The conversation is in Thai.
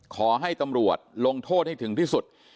ขอให้ตำรวจลงโทษให้ถึงที่สุด